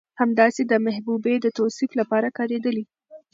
همداسې د محبوبې د توصيف لپاره کارېدلي